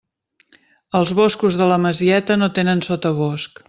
Els boscos de la Masieta no tenen sotabosc.